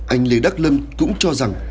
anh lê đắc lâm cũng cho rằng